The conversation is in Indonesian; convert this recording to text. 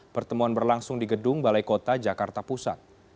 pertemuan berlangsung di gedung balai kota jakarta pusat